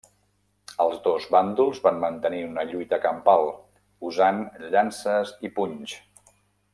Els dos bàndols van mantenir una lluita campal, usant llances i punys.